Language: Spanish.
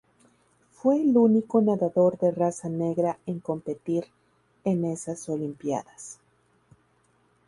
Fue el único nadador de raza negra en competir en esas Olimpiadas.